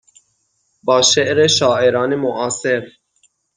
با شعر شاعران معاصر